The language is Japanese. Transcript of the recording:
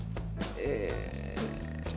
え？